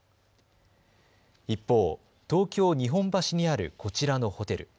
一方、東京日本橋にあるこちらのホテル。